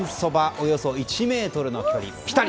およそ１ｍの距離、ピタリ。